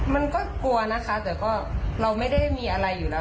มันก็กลัวนะคะแต่ก็เราไม่ได้มีอะไรอยู่แล้ว